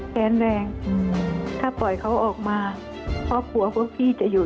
แค้นแรงถ้าปล่อยเขาออกมาครอบครัวพวกพี่จะอยู่